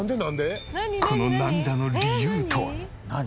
この涙の理由とは？